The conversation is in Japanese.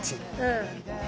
うん。